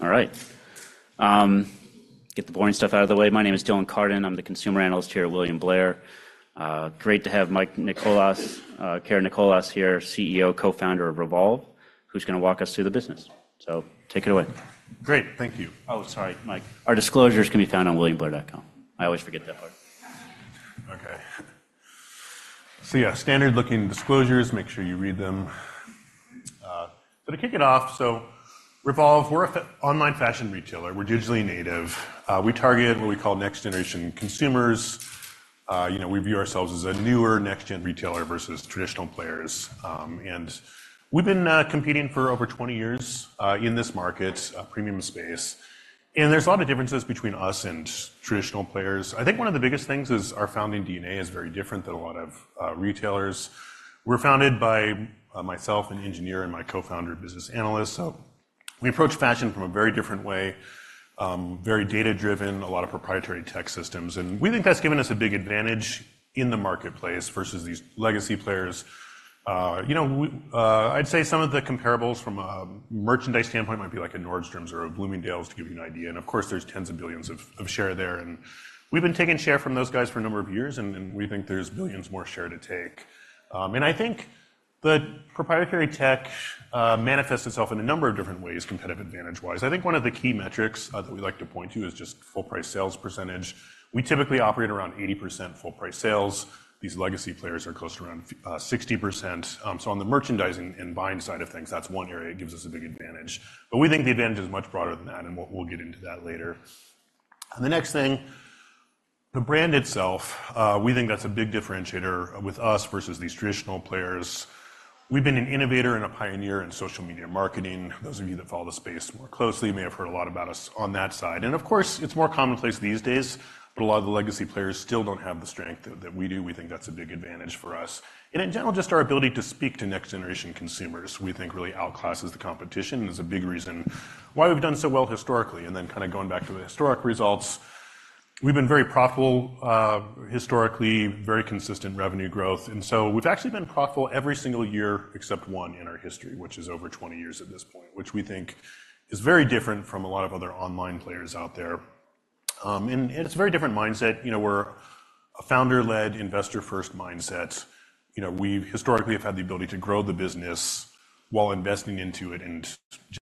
All right. Get the boring stuff out of the way. My name is Dylan Carden. I'm the consumer analyst here at William Blair. Great to have Mike Karanikolas here, Co-CEO, Co-Founder of Revolve, who's gonna walk us through the business. So take it away. Great, thank you. Oh, sorry, Mike. Our disclosures can be found on williamblair.com. I always forget that part. Okay. So yeah, standard looking disclosures, make sure you read them. So to kick it off, so Revolve, we're an online fashion retailer. We're digitally native. We target what we call next generation consumers. You know, we view ourselves as a newer, next-gen retailer versus traditional players. And we've been competing for over 20 years in this market, premium space, and there's a lot of differences between us and traditional players. I think one of the biggest things is our founding DNA is very different than a lot of retailers. We're founded by myself, an engineer, and my co-founder, business analyst, so we approach fashion from a very different way, very data-driven, a lot of proprietary tech systems, and we think that's given us a big advantage in the marketplace versus these legacy players. You know, I'd say some of the comparables from a merchandise standpoint might be like a Nordstrom or a Bloomingdale's, to give you an idea, and of course, there's tens of billions of share there, and we've been taking share from those guys for a number of years, and we think there's billions more share to take. And I think the proprietary tech manifests itself in a number of different ways, competitive advantage-wise. I think one of the key metrics that we like to point to is just full price sales percentage. We typically operate around 80% full price sales. These legacy players are closer to around 60%. So on the merchandising and buying side of things, that's one area it gives us a big advantage. But we think the advantage is much broader than that, and we'll get into that later. The next thing, the brand itself, we think that's a big differentiator with us versus these traditional players. We've been an innovator and a pioneer in social media marketing. Those of you that follow the space more closely may have heard a lot about us on that side. Of course, it's more commonplace these days, but a lot of the legacy players still don't have the strength that we do. We think that's a big advantage for us. In general, just our ability to speak to next generation consumers, we think really outclasses the competition and is a big reason why we've done so well historically. Then kind of going back to the historic results, we've been very profitable historically, very consistent revenue growth. And so we've actually been profitable every single year except one in our history, which is over 20 years at this point, which we think is very different from a lot of other online players out there. And it's a very different mindset. You know, we're a founder-led, investor-first mindset. You know, we historically have had the ability to grow the business while investing into it and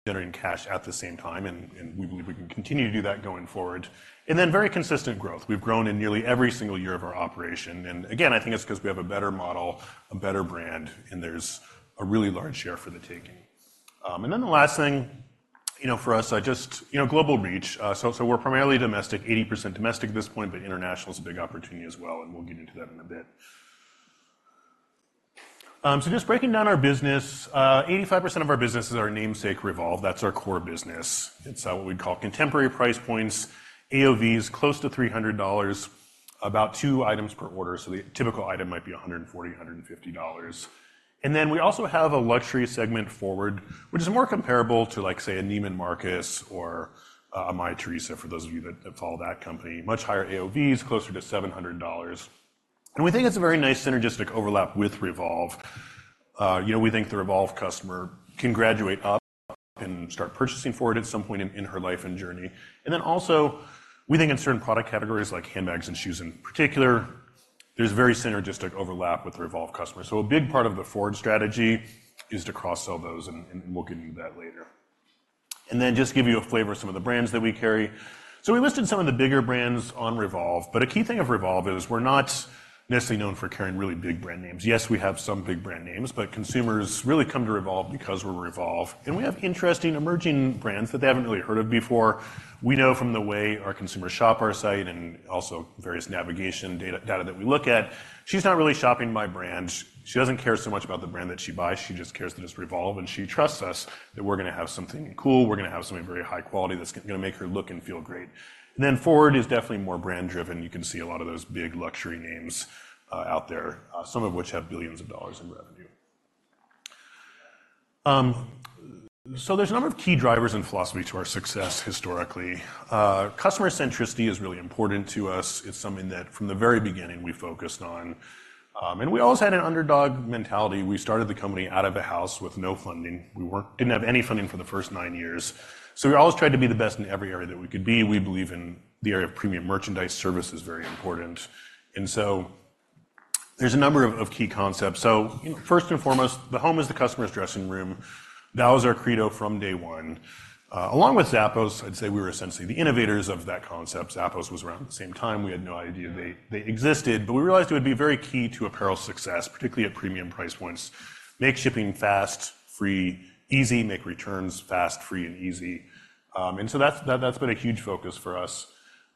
generating cash at the same time, and we believe we can continue to do that going forward. And then, very consistent growth. We've grown in nearly every single year of our operation, and again, I think it's because we have a better model, a better brand, and there's a really large share for the taking. And then the last thing, you know, for us, I just you know, global reach. So we're primarily domestic, 80% domestic at this point, but international is a big opportunity as well, and we'll get into that in a bit. So just breaking down our business, 85% of our business is our namesake, Revolve. That's our core business. It's what we'd call contemporary price points, AOV is close to $300, about two items per order, so the typical item might be $140, $150. And then we also have a luxury segment FWRD, which is more comparable to, like, say, a Neiman Marcus or a Mytheresa, for those of you that follow that company. Much higher AOVs, closer to $700. And we think it's a very nice synergistic overlap with Revolve. You know, we think the Revolve customer can graduate up and start purchasing FWRD at some point in her life and journey. And then also, we think in certain product categories, like handbags and shoes in particular, there's very synergistic overlap with the Revolve customer. So a big part of the FWRD strategy is to cross-sell those, and we'll get into that later. And then just give you a flavor of some of the brands that we carry. So we listed some of the bigger brands on Revolve, but a key thing of Revolve is we're not necessarily known for carrying really big brand names. Yes, we have some big brand names, but consumers really come to Revolve because we're Revolve, and we have interesting emerging brands that they haven't really heard of before. We know from the way our consumers shop our site and also various navigation data, data that we look at, she's not really shopping by brand. She doesn't care so much about the brand that she buys. She just cares that it's Revolve, and she trusts us that we're gonna have something cool, we're gonna have something very high quality that's gonna make her look and feel great. And then FWRD is definitely more brand driven. You can see a lot of those big luxury names out there, some of which have billions of dollars in revenue. So there's a number of key drivers and philosophy to our success historically. Customer centricity is really important to us. It's something that, from the very beginning, we focused on, and we always had an underdog mentality. We started the company out of a house with no funding. We didn't have any funding for the first nine years, so we always tried to be the best in every area that we could be. We believe in the area of premium merchandise. Service is very important, and so there's a number of key concepts. So first and foremost, the home is the customer's dressing room. That was our credo from day one. Along with Zappos, I'd say we were essentially the innovators of that concept. Zappos was around the same time. We had no idea they existed, but we realized it would be very key to apparel success, particularly at premium price points. Make shipping fast, free, easy. Make returns fast, free, and easy. And so that's been a huge focus for us.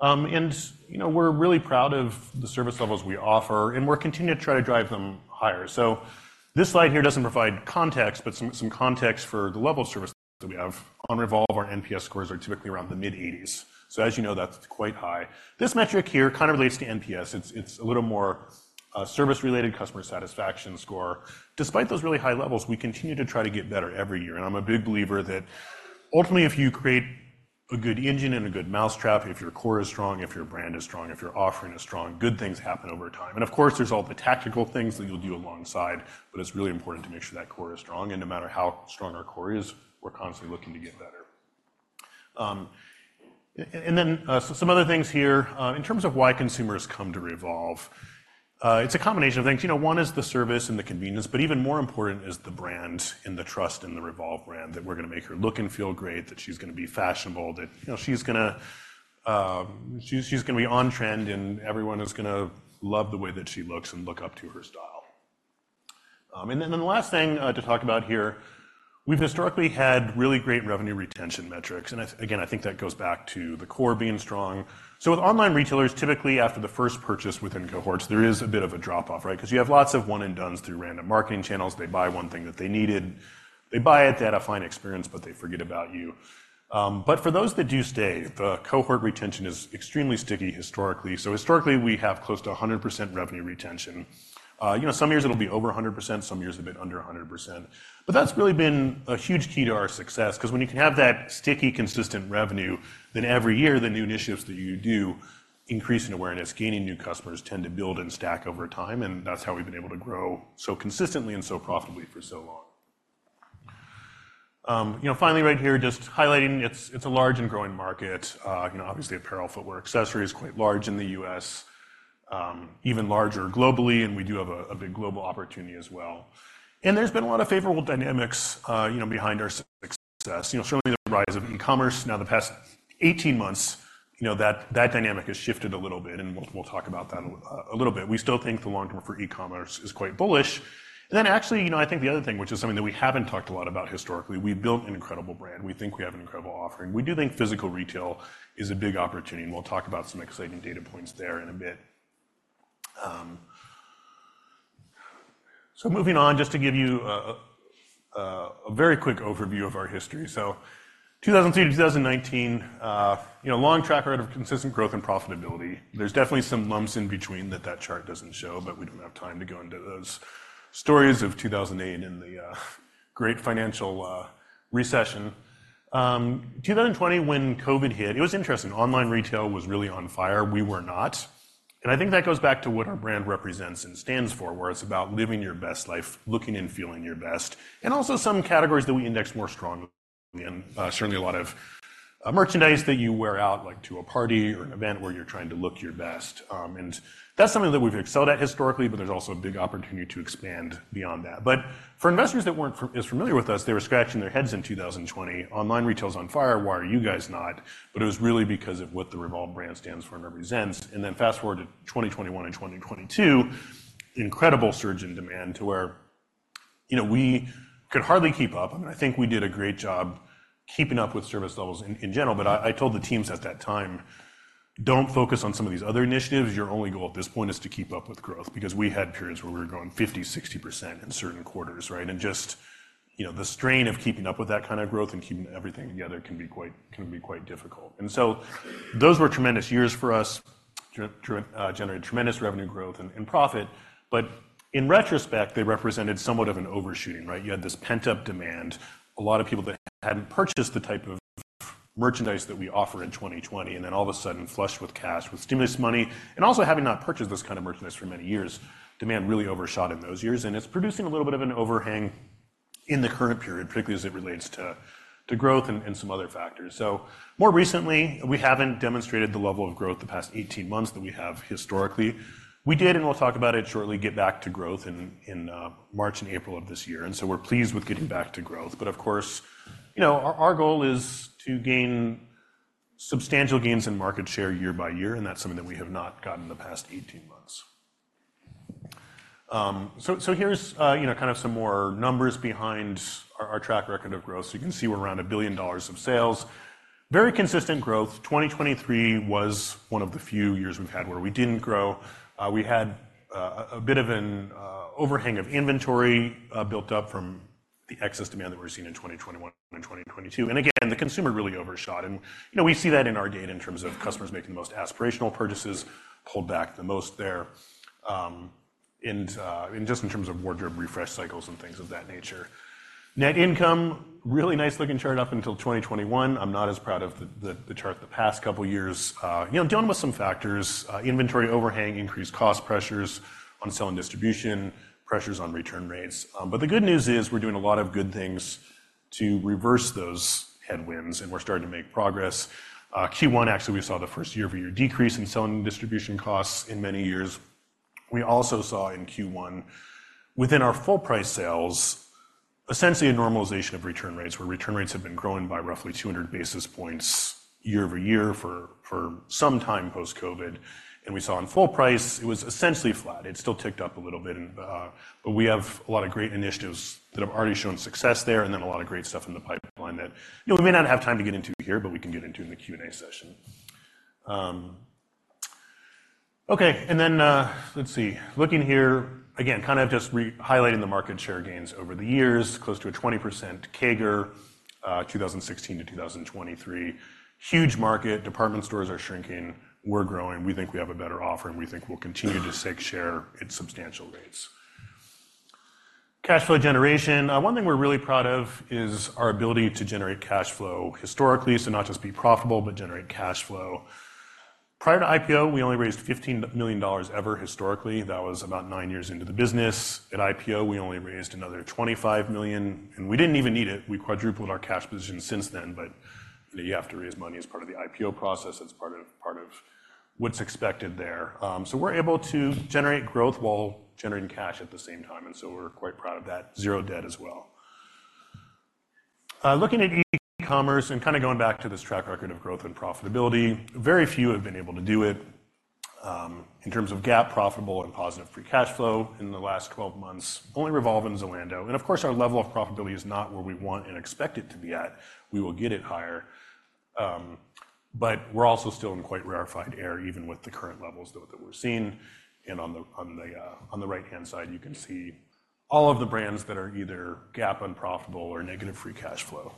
And, you know, we're really proud of the service levels we offer, and we're continuing to try to drive them higher. So this slide here doesn't provide context, but some context for the level of services that we have. On Revolve, our NPS scores are typically around the mid-80s. So as you know, that's quite high. This metric here kind of relates to NPS. It's a little more service-related customer satisfaction score. Despite those really high levels, we continue to try to get better every year, and I'm a big believer that ultimately, if you create a good engine and a good mousetrap, if your core is strong, if your brand is strong, if your offering is strong, good things happen over time. And of course, there's all the tactical things that you'll do alongside, but it's really important to make sure that core is strong, and no matter how strong our core is, we're constantly looking to get better. And then, so some other things here, in terms of why consumers come to Revolve, it's a combination of things. You know, one is the service and the convenience, but even more important is the brand and the trust in the Revolve brand, that we're gonna make her look and feel great, that she's gonna be fashionable, that, you know, she's gonna be on trend, and everyone is gonna love the way that she looks and look up to her style. And then the last thing to talk about here, we've historically had really great revenue retention metrics, and that's, again, I think that goes back to the core being strong. So with online retailers, typically after the first purchase within cohorts, there is a bit of a drop-off, right? 'Cause you have lots of one-and-dones through random marketing channels. They buy one thing that they needed. They buy it, they had a fine experience, but they forget about you. But for those that do stay, the cohort retention is extremely sticky historically. So historically, we have close to 100% revenue retention. You know, some years it'll be over 100%, some years a bit under 100%. But that's really been a huge key to our success, 'cause when you can have that sticky, consistent revenue, then every year, the new initiatives that you do increase in awareness, gaining new customers tend to build and stack over time, and that's how we've been able to grow so consistently and so profitably for so long. You know, finally, right here, just highlighting, it's a large and growing market. You know, obviously, apparel, footwear, accessories, quite large in the U.S., even larger globally, and we do have a big global opportunity as well. And there's been a lot of favorable dynamics, you know, behind our success. You know, certainly, the rise of e-commerce. Now, the past 18 months, you know, that dynamic has shifted a little bit, and we'll talk about that a little bit. We still think the long term for e-commerce is quite bullish. Then actually, you know, I think the other thing, which is something that we haven't talked a lot about historically, we've built an incredible brand. We think we have an incredible offering. We do think physical retail is a big opportunity, and we'll talk about some exciting data points there in a bit. So moving on, just to give you a very quick overview of our history. So 2003 to 2019, you know, long track record of consistent growth and profitability. There's definitely some lumps in between that that chart doesn't show, but we don't have time to go into those stories of 2008 and the great financial recession. 2020, when COVID hit, it was interesting. Online retail was really on fire. We were not, and I think that goes back to what our brand represents and stands for, where it's about living your best life, looking and feeling your best, and also some categories that we index more strongly in. Certainly a lot of merchandise that you wear out, like, to a party or an event where you're trying to look your best. And that's something that we've excelled at historically, but there's also a big opportunity to expand beyond that. But for investors that weren't familiar with us, they were scratching their heads in 2020. "Online retail's on fire. Why are you guys not?" But it was really because of what the Revolve brand stands for and represents. And then fast-forward to 2021 and 2022, incredible surge in demand to where, you know, we could hardly keep up, and I think we did a great job keeping up with service levels in, in general. But I, I told the teams at that time, "Don't focus on some of these other initiatives. Your only goal at this point is to keep up with growth," because we had periods where we were growing 50%, 60% in certain quarters, right? And just, you know, the strain of keeping up with that kind of growth and keeping everything together can be quite difficult. And so those were tremendous years for us, generated tremendous revenue growth and profit. But in retrospect, they represented somewhat of an overshooting, right? You had this pent-up demand, a lot of people that hadn't purchased the type of merchandise that we offer in 2020, and then all of a sudden, flushed with cash, with stimulus money, and also having not purchased this kind of merchandise for many years, demand really overshot in those years, and it's producing a little bit of an overhang in the current period, particularly as it relates to, to growth and, and some other factors. So more recently, we haven't demonstrated the level of growth the past 18 months that we have historically. We did, and we'll talk about it shortly, get back to growth in, in, March and April of this year, and so we're pleased with getting back to growth. But of course, you know, our, our goal is to gain substantial gains in market share year by year, and that's something that we have not gotten in the past 18 months. So, so here's, you know, kind of some more numbers behind our, our track record of growth. So you can see we're around $1 billion of sales. Very consistent growth. 2023 was one of the few years we've had where we didn't grow. We had, a, a bit of an, overhang of inventory, built up from the excess demand that we were seeing in 2021 and 2022. And again, the consumer really overshot, and, you know, we see that in our data in terms of customers making the most aspirational purchases, pulled back the most there, in just in terms of wardrobe refresh cycles and things of that nature. Net income, really nice-looking chart up until 2021. I'm not as proud of the chart the past couple years. You know, dealing with some factors, inventory overhang, increased cost pressures on selling distribution, pressures on return rates. But the good news is, we're doing a lot of good things to reverse those headwinds, and we're starting to make progress. Q1, actually, we saw the first year-over-year decrease in selling distribution costs in many years. We also saw in Q1, within our full price sales, essentially a normalization of return rates, where return rates had been growing by roughly 200 basis points year-over-year for some time post-COVID. We saw in full price, it was essentially flat. It still ticked up a little bit, but we have a lot of great initiatives that have already shown success there, and then a lot of great stuff in the pipeline that, you know, we may not have time to get into here, but we can get into in the Q&A session. Okay, let's see. Looking here, again, kind of just highlighting the market share gains over the years, close to a 20% CAGR, 2016 to 2023. Huge market. Department stores are shrinking. We're growing. We think we have a better offering. We think we'll continue to take share at substantial rates. Cash flow generation. One thing we're really proud of is our ability to generate cash flow historically, so not just be profitable, but generate cash flow. Prior to IPO, we only raised $15 million ever historically. That was about nine years into the business. At IPO, we only raised another $25 million, and we didn't even need it. We quadrupled our cash position since then, but you have to raise money as part of the IPO process. That's part of, part of what's expected there. So we're able to generate growth while generating cash at the same time, and so we're quite proud of that. Zero debt as well. Looking at e-commerce and kind of going back to this track record of growth and profitability, very few have been able to do it, in terms of GAAP profitable and positive Free Cash Flow in the last 12 months, only Revolve and Zalando. And of course, our level of profitability is not where we want and expect it to be at. We will get it higher, but we're also still in quite rarefied air, even with the current levels that, that we're seeing. And on the right-hand side, you can see all of the brands that are either GAAP unprofitable or negative Free Cash Flow.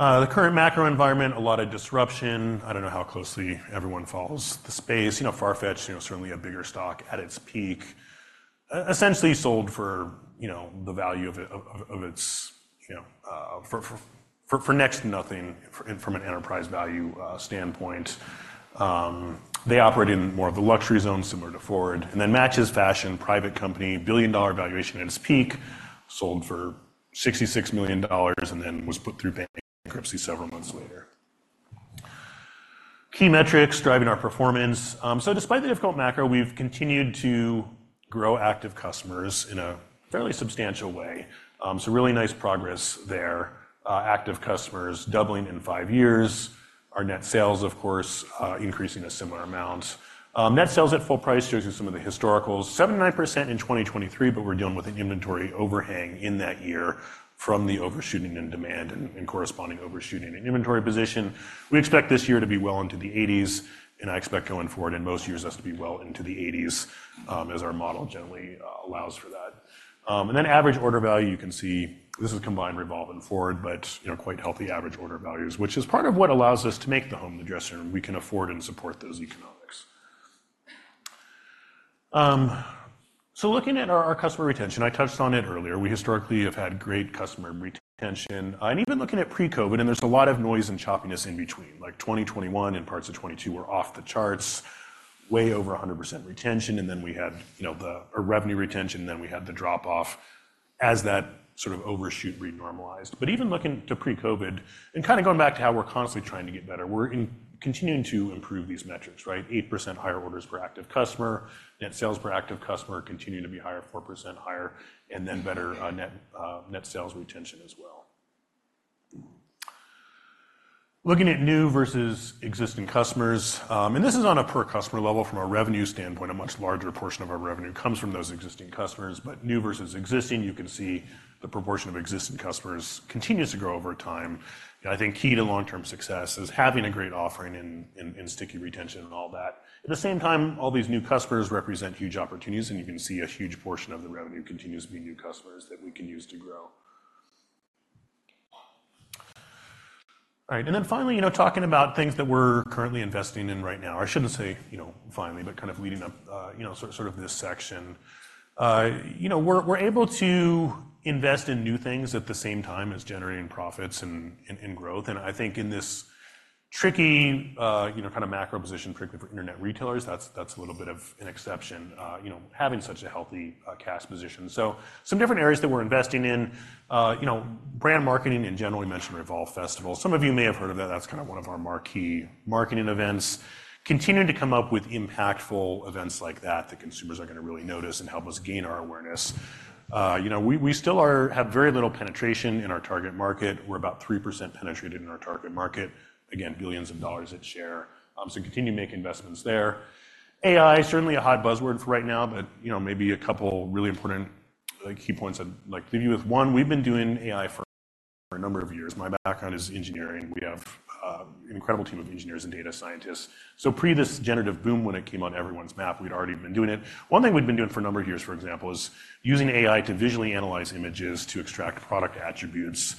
The current macro environment, a lot of disruption. I don't know how closely everyone follows the space. You know, Farfetch, you know, certainly a bigger stock at its peak, essentially sold for, you know, the value of it, of its, you know, for next to nothing, from an enterprise value standpoint. They operate in more of the luxury zone, similar to FWRD. And then MatchesFashion, private company, billion-dollar valuation at its peak, sold for $66 million and then was put through bankruptcy several months later. Key metrics driving our performance. So despite the difficult macro, we've continued to grow active customers in a fairly substantial way. So really nice progress there. Active customers doubling in five years. Our net sales, of course, increasing a similar amount. Net sales at full price shows you some of the historicals, 79% in 2023, but we're dealing with an inventory overhang in that year from the overshooting in demand and corresponding overshooting in inventory position. We expect this year to be well into the 80s, and I expect going forward in most years us to be well into the 80s, as our model generally allows for that. And then average order value, you can see this is combined, Revolve and FWRD, but you know, quite healthy average order values, which is part of what allows us to make the home the dressing room. We can afford and support those economics. So looking at our customer retention, I touched on it earlier. We historically have had great customer retention, and even looking at pre-COVID, and there's a lot of noise and choppiness in between, like 2021 and parts of 2022 were off the charts, way over 100% retention. And then we had, you know, the, revenue retention, then we had the drop-off as that sort of overshoot renormalized. But even looking to pre-COVID, and kind of going back to how we're constantly trying to get better, we're continuing to improve these metrics, right? 8% higher orders per active customer, net sales per active customer continue to be higher, 4% higher, and then better, net sales retention as well. Looking at new versus existing customers, and this is on a per customer level from a revenue standpoint, a much larger portion of our revenue comes from those existing customers. But new versus existing, you can see the proportion of existing customers continues to grow over time. I think key to long-term success is having a great offering and sticky retention and all that. At the same time, all these new customers represent huge opportunities, and you can see a huge portion of the revenue continues to be new customers that we can use to grow. All right, and then finally, you know, talking about things that we're currently investing in right now, I shouldn't say, you know, finally, but kind of leading up, you know, sort of this section. You know, we're able to invest in new things at the same time as generating profits and growth. And I think in this tricky, you know, kind of macro position, tricky for internet retailers, that's, that's a little bit of an exception, you know, having such a healthy, cash position. So some different areas that we're investing in, you know, brand marketing in general, we mentioned Revolve Festival. Some of you may have heard of that. That's kind of one of our marquee marketing events. Continuing to come up with impactful events like that, that consumers are going to really notice and help us gain our awareness. You know, we still have very little penetration in our target market. We're about 3% penetrated in our target market. Again, billions of dollars at share. So continue to make investments there. AI, certainly a hot buzzword for right now, but you know, maybe a couple really important, like, key points I'd like to leave you with. One, we've been doing AI for a number of years. My background is engineering. We have incredible team of engineers and data scientists. So pre this generative boom, when it came on everyone's map, we'd already been doing it. One thing we've been doing for a number of years, for example, is using AI to visually analyze images to extract product attributes.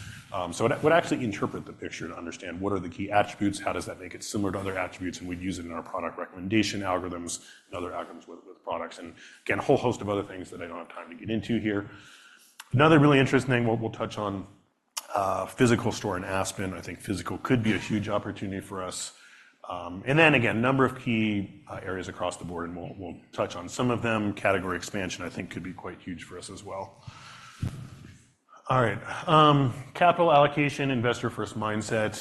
So it would actually interpret the picture to understand what are the key attributes, how does that make it similar to other attributes, and we'd use it in our product recommendation algorithms and other algorithms with, with products, and again, a whole host of other things that I don't have time to get into here. Another really interesting thing, what we'll touch on, physical store in Aspen. I think physical could be a huge opportunity for us. And then again, a number of key areas across the board, and we'll touch on some of them. Category expansion, I think, could be quite huge for us as well. All right, capital allocation, investor-first mindset.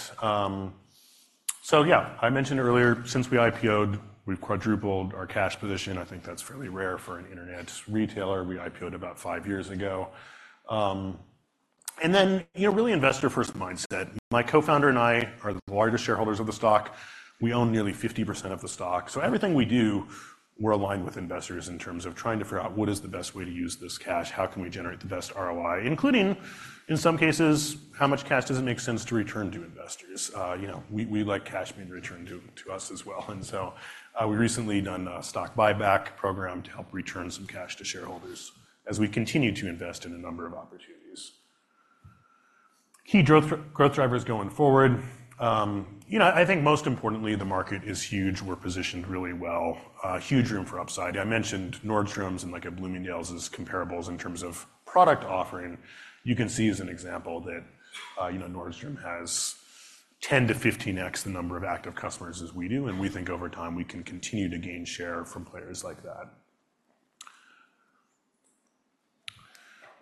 So yeah, I mentioned earlier, since we IPO'd, we've quadrupled our cash position. I think that's fairly rare for an internet retailer. We IPO'd about five years ago. And then, you know, really investor-first mindset. My co-founder and I are the largest shareholders of the stock. We own nearly 50% of the stock. So everything we do, we're aligned with investors in terms of trying to figure out what is the best way to use this cash, how can we generate the best ROI, including, in some cases, how much cash does it make sense to return to investors? You know, we, we like cash being returned to, to us as well, and so, we recently done a stock buyback program to help return some cash to shareholders as we continue to invest in a number of opportunities. Key growth drivers going forward, you know, I think most importantly, the market is huge. We're positioned really well, a huge room for upside. I mentioned Nordstrom's and, like, a Bloomingdale's as comparables in terms of product offering. You can see as an example that, you know, Nordstrom has 10-15x the number of active customers as we do, and we think over time, we can continue to gain share from players like that.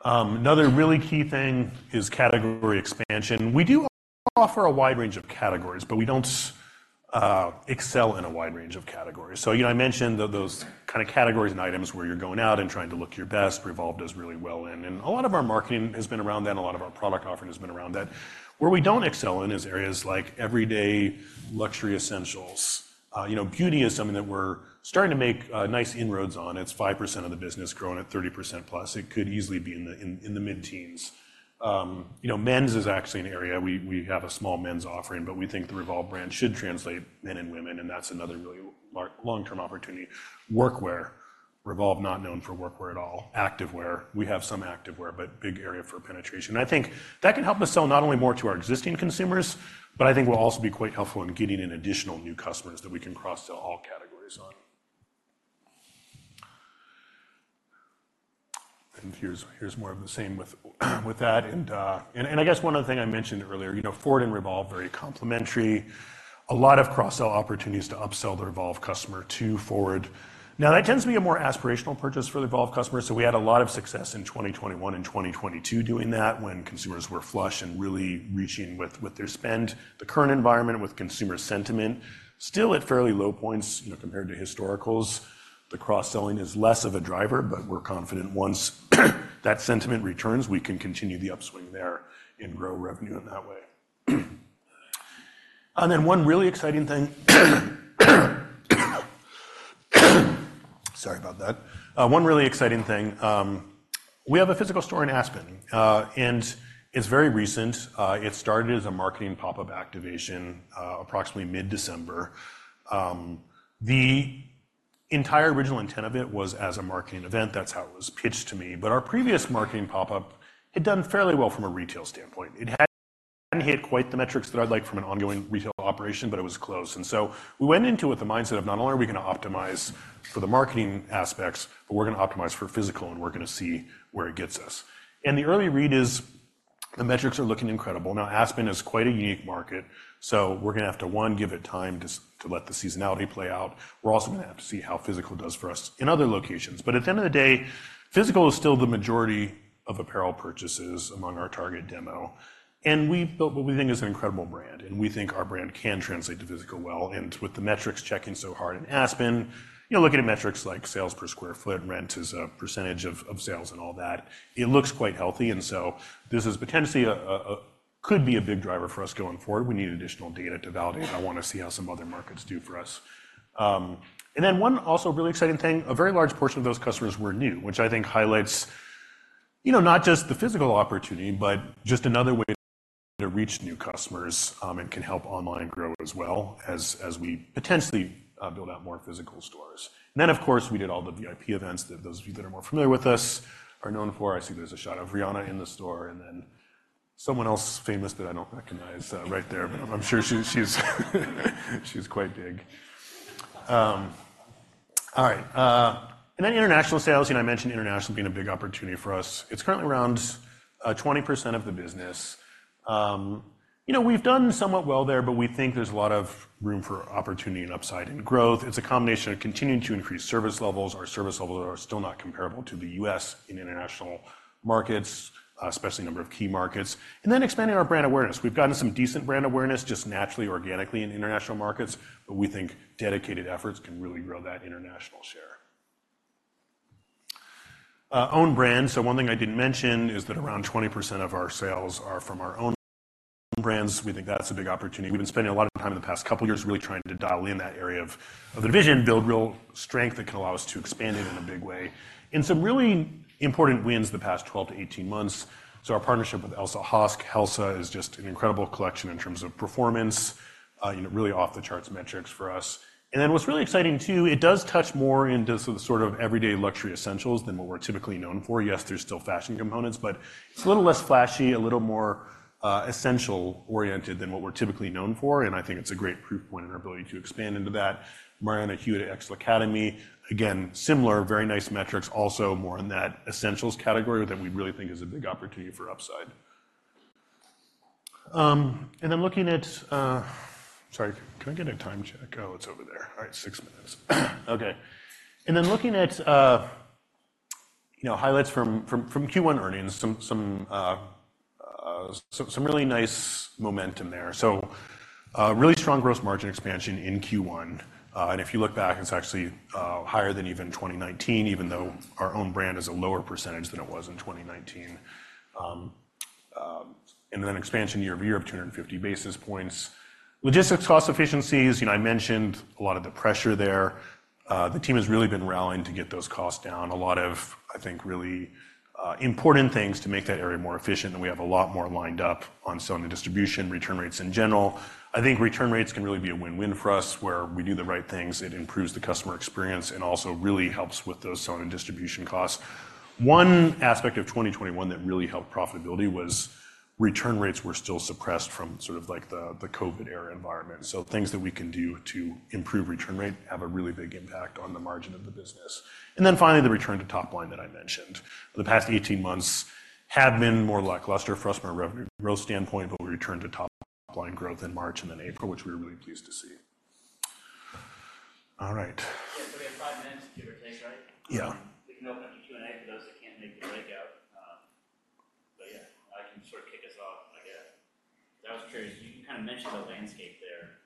Another really key thing is category expansion. We do offer a wide range of categories, but we don't excel in a wide range of categories. So, you know, I mentioned those kind of categories and items where you're going out and trying to look your best, Revolve does really well in, and a lot of our marketing has been around that, and a lot of our product offering has been around that. Where we don't excel in is areas like everyday luxury essentials. You know, beauty is something that we're starting to make nice inroads on. It's 5% of the business, growing at 30%+. It could easily be in the mid-teens. You know, men's is actually an area, we have a small men's offering, but we think the Revolve brand should translate men and women, and that's another really long-term opportunity. Workwear, Revolve, not known for workwear at all. Activewear, we have some activewear, but big area for penetration. I think that can help us sell not only more to our existing consumers, but I think will also be quite helpful in getting in additional new customers that we can cross-sell all categories on. And here's more of the same with that, and I guess one other thing I mentioned earlier, you know, FWRD and Revolve, very complementary. A lot of cross-sell opportunities to upsell the Revolve customer to FWRD. Now, that tends to be a more aspirational purchase for the Revolve customer, so we had a lot of success in 2021 and 2022 doing that when consumers were flush and really reaching with their spend. The current environment, with consumer sentiment still at fairly low points, you know, compared to historicals, the cross-selling is less of a driver, but we're confident once that sentiment returns, we can continue the upswing there and grow revenue in that way. And then one really exciting thing, we have a physical store in Aspen, and it's very recent. It started as a marketing pop-up activation, approximately mid-December. The entire original intent of it was as a marketing event. That's how it was pitched to me, but our previous marketing pop-up had done fairly well from a retail standpoint. It hadn't hit quite the metrics that I'd like from an ongoing retail operation, but it was close. And so we went into it with the mindset of not only are we gonna optimize for the marketing aspects, but we're gonna optimize for physical, and we're gonna see where it gets us. And the early read is, the metrics are looking incredible. Now, Aspen is quite a unique market, so we're gonna have to, one, give it time to let the seasonality play out. We're also gonna have to see how physical does for us in other locations. But at the end of the day, physical is still the majority of apparel purchases among our target demo, and we've built what we think is an incredible brand, and we think our brand can translate to physical well. With the metrics checking so hard in Aspen, you know, looking at metrics like sales per square foot, rent as a percentage of sales, and all that, it looks quite healthy, and so this is potentially a big driver for us going forward. We need additional data to validate, and I want to see how some other markets do for us. And then one also really exciting thing, a very large portion of those customers were new, which I think highlights, you know, not just the physical opportunity, but just another way to reach new customers, and can help online grow as well as we potentially build out more physical stores. And then, of course, we did all the VIP events that those of you that are more familiar with us are known for. I see there's a shot of Rihanna in the store, and then someone else famous that I don't recognize, right there—but I'm sure she, she's, she's quite big. All right, and then international sales, you know, I mentioned international being a big opportunity for us. It's currently around 20% of the business. You know, we've done somewhat well there, but we think there's a lot of room for opportunity and upside and growth. It's a combination of continuing to increase service levels. Our service levels are still not comparable to the U.S. in international markets, especially the number of key markets, and then expanding our brand awareness. We've gotten some decent brand awareness, just naturally, organically in international markets, but we think dedicated efforts can really grow that international share. Own brands, so one thing I didn't mention is that around 20% of our sales are from our own brands. We think that's a big opportunity. We've been spending a lot of time in the past couple of years really trying to dial in that area of the division, build real strength that can allow us to expand it in a big way. And some really important wins the past 12-18 months, so our partnership with Elsa Hosk. Helsa is just an incredible collection in terms of performance, you know, really off-the-charts metrics for us. And then what's really exciting, too, it does touch more into the sort of everyday luxury essentials than what we're typically known for. Yes, there's still fashion components, but it's a little less flashy, a little more, essential-oriented than what we're typically known for, and I think it's a great proof point in our ability to expand into that. Marianna Hewitt at L'Academie, again, similar, very nice metrics, also more in that essentials category that we really think is a big opportunity for upside. And then looking at... Sorry, can I get a time check? Oh, it's over there. All right, six minutes. Okay, and then looking at, you know, highlights from Q1 earnings, some really nice momentum there. So, really strong gross margin expansion in Q1, and if you look back, it's actually, higher than even 2019, even though our own brand is a lower percentage than it was in 2019. And then expansion year-over-year of 250 basis points. Logistics cost efficiencies, you know, I mentioned a lot of the pressure there. The team has really been rallying to get those costs down. A lot of, I think, really important things to make that area more efficient, and we have a lot more lined up on selling distribution, return rates in general. I think return rates can really be a win-win for us, where we do the right things, it improves the customer experience and also really helps with those selling distribution costs. One aspect of 2021 that really helped profitability return rates were still suppressed from sort of like the COVID era environment. So things that we can do to improve return rate have a really big impact on the margin of the business. Then finally, the return to top line that I mentioned. The past 18 months have been more lackluster for us from a revenue growth standpoint, but we returned to top line growth in March and then April, which we were really pleased to see. All right. Yeah, so we have five minutes, give or take, right? Yeah. We can open up to Q&A for those that can't make the breakout. But yeah, I can sort of kick us off, I guess. I was curious; you kind of mentioned the landscape there,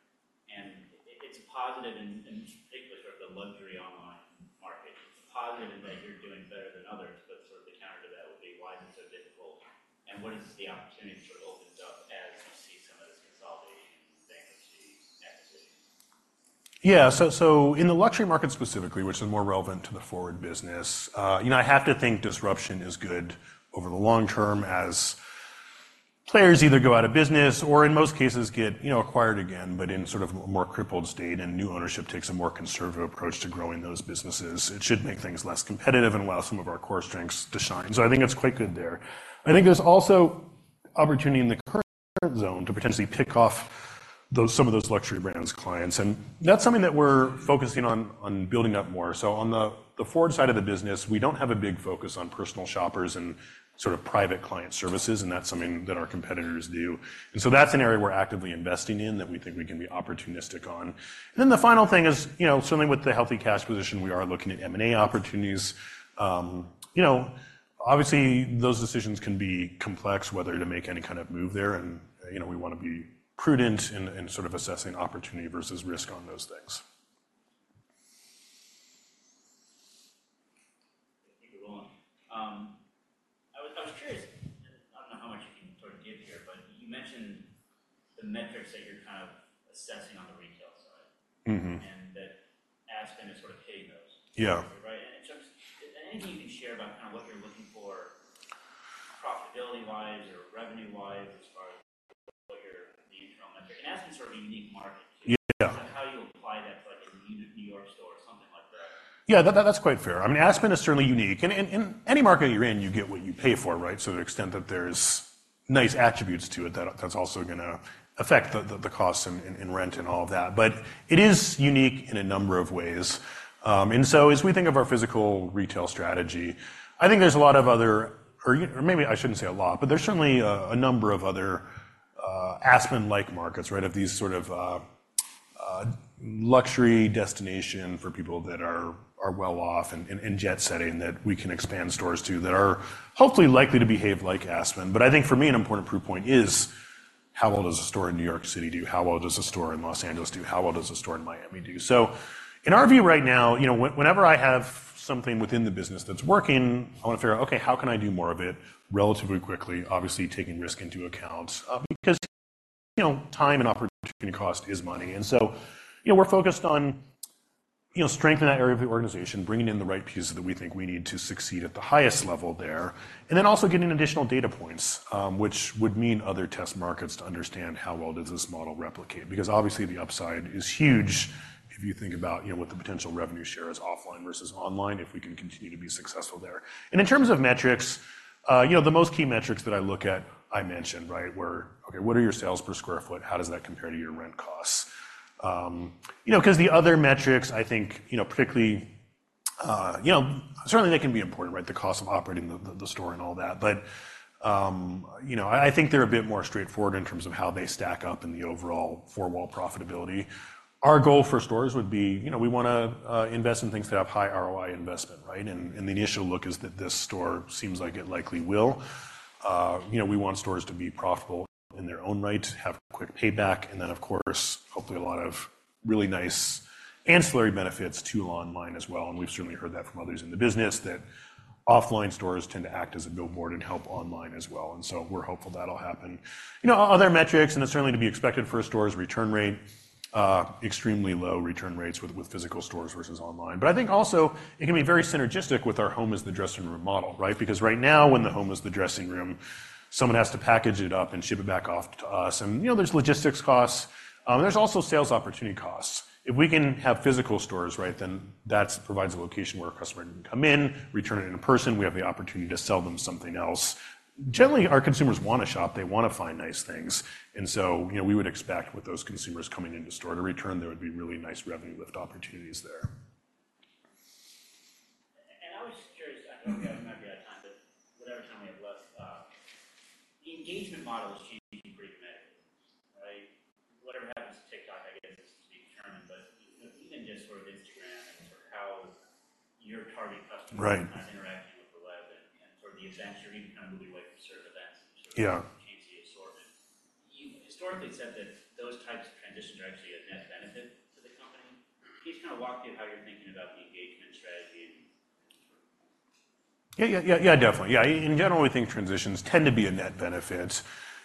and it's positive in particular, sort of the luxury online market. It's positive that you're doing better than others, but sort of the counter to that would be: Why is it so difficult, and what is the opportunity sort of opens up as you see some of this consolidation, bankruptcy, and acquisitions? Yeah. So, so in the luxury market specifically, which is more relevant to the FWRD business, you know, I have to think disruption is good over the long term as players either go out of business or in most cases, get, you know, acquired again, but in sort of a more crippled state, and new ownership takes a more conservative approach to growing those businesses. It should make things less competitive and allow some of our core strengths to shine. So I think it's quite good there. I think there's also opportunity in the current zone to potentially pick off those some of those luxury brands clients, and that's something that we're focusing on building up more. So on the FWRD side of the business, we don't have a big focus on personal shoppers and sort of private client services, and that's something that our competitors do. And so that's an area we're actively investing in that we think we can be opportunistic on. Then the final thing is, you know, certainly with the healthy cash position, we are looking at M&A opportunities. You know, obviously, those decisions can be complex, whether to make any kind of move there, and, you know, we want to be prudent in sort of assessing opportunity versus risk on those things. Thank you, Roland. I was curious, I don't know how much you can sort of give here, but you mentioned the metrics that you're kind of assessing on the retail side- Mm-hmm. and that Aspen is sort of hitting those. Yeah. Right? And just anything you can share about kind of what you're looking for profitability-wise or revenue-wise as far as what your, the internal metric. And Aspen's sort of a unique market. Yeah. How you apply that to, like, a New York store or something like that? Yeah, that, that's quite fair. I mean, Aspen is certainly unique, and any market you're in, you get what you pay for, right? To the extent that there's nice attributes to it, that's also gonna affect the costs in rent and all of that. But it is unique in a number of ways. And so as we think of our physical retail strategy, I think there's a lot of other, or maybe I shouldn't say a lot, but there's certainly a number of other Aspen-like markets, right? Of these sort of luxury destinations for people that are well off and jet-setting, that we can expand stores to, that are hopefully likely to behave like Aspen. But I think for me, an important proof point is: How well does a store in New York City do? How well does a store in Los Angeles do? How well does a store in Miami do? So in our view, right now, you know, when, whenever I have something within the business that's working, I want to figure out, okay, how can I do more of it relatively quickly, obviously, taking risk into account, because, you know, time and opportunity cost is money. And so, you know, we're focused on, you know, strengthening that area of the organization, bringing in the right pieces that we think we need to succeed at the highest level there, and then also getting additional data points, which would mean other test markets to understand how well does this model replicate. Because obviously, the upside is huge if you think about, you know, what the potential revenue share is offline versus online, if we can continue to be successful there. In terms of metrics, you know, the most key metrics that I look at, I mentioned, right? Okay, what are your sales per square foot? How does that compare to your rent costs? You know, 'cause the other metrics, I think, you know, particularly, you know, certainly they can be important, right? The cost of operating the store and all that. But, you know, I think they're a bit more straightforward in terms of how they stack up in the overall four-wall profitability. Our goal for stores would be, you know, we wanna invest in things that have high ROI investment, right? And the initial look is that this store seems like it likely will. You know, we want stores to be profitable in their own right, have quick payback, and then, of course, hopefully, a lot of really nice ancillary benefits to online as well, and we've certainly heard that from others in the business, that offline stores tend to act as a billboard and help online as well, and so we're hopeful that'll happen. You know, other metrics, and it's certainly to be expected for a store's return rate, extremely low return rates with physical stores versus online. But I think also it can be very synergistic with our home is the dressing room model, right? Because right now, when the home is the dressing room, someone has to package it up and ship it back off to us, and, you know, there's logistics costs. There's also sales opportunity costs. If we can have physical stores, right, then that provides a location where a customer can come in, return it in person. We have the opportunity to sell them something else. Generally, our consumers wanna shop, they wanna find nice things, and so, you know, we would expect with those consumers coming into store to return, there would be really nice revenue lift opportunities there. I was just curious, I know we might be out of time, but whatever time we have left, the engagement model is changing pretty dramatically, right? Whatever happens to TikTok, I guess, is to be determined, but even just sort of Instagram and sort of how your target customer- Right... is interacting with the web and sort of the events, you're even kind of moving away from certain events- Yeah and sort of change the assortment. You've historically said that those types of transitions are actually a net benefit to the company. Can you just kind of walk through how you're thinking about the engagement strategy and sort of- Yeah, yeah, yeah, yeah, definitely. Yeah, in general, we think transitions tend to be a net benefit,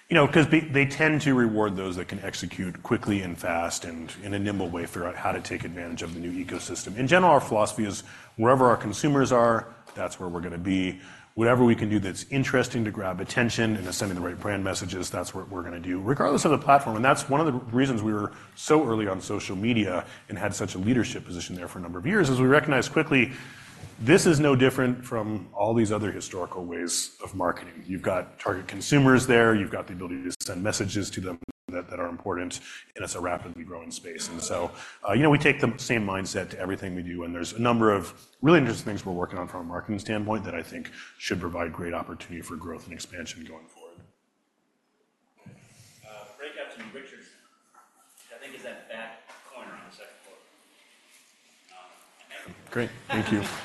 you know, 'cause they tend to reward those that can execute quickly and fast, and in a nimble way, figure out how to take advantage of the new ecosystem. In general, our philosophy is: wherever our consumers are, that's where we're gonna be. Whatever we can do that's interesting to grab attention and is sending the right brand messages, that's what we're gonna do, regardless of the platform. And that's one of the reasons we were so early on social media and had such a leadership position there for a number of years. As we recognized quickly, this is no different from all these other historical ways of marketing. You've got target consumers there. You've got the ability to send messages to them that are important, and it's a rapidly growing space. And so, you know, we take the same mindset to everything we do, and there's a number of really interesting things we're working on from a marketing standpoint that I think should provide great opportunity for growth and expansion going forward. Breakout to Richardson, I think is that back corner on the second floor. Okay. Great. Thank you.